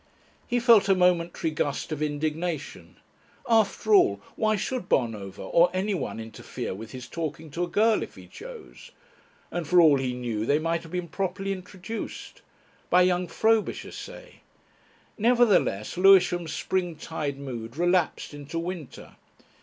He felt a momentary gust of indignation. After all, why should Bonover or anyone interfere with his talking to a girl if he chose? And for all he knew they might have been properly introduced. By young Frobisher, say. Nevertheless, Lewisham's spring tide mood relapsed into winter.